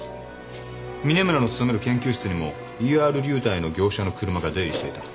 峰村の勤める研究室にもＥＲ流体の業者の車が出入りしていた。